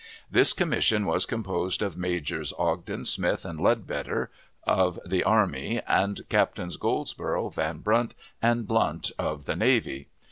This commission was composed of Majors Ogden, Smith, and Leadbetter, of, the army, and Captains Goldsborough, Van Brunt, and Blunt, of the navy.